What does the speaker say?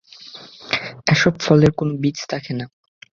এসব ফলের কোনও বীজ থাকে না।